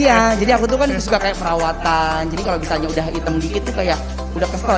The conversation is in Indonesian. iya jadi aku tuh kan suka kayak perawatan jadi kalau misalnya udah hitam dikit tuh kayak udah kesel